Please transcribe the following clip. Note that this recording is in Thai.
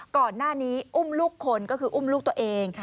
ก่อนหน้านี้อุ้มลูกคนก็คืออุ้มลูกตัวเอง